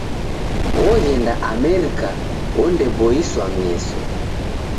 Oghenda Amerika ondeboiswa meso.